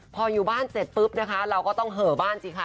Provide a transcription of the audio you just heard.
พออยู่บ้านเสร็จปุ๊บนะคะเราก็ต้องเหอะบ้านสิค่ะ